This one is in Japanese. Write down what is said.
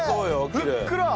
ふっくら！